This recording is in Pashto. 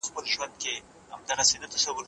ځينې پوهان سياسي نظام د سياستپوهنې اصلي موضوع ګڼي.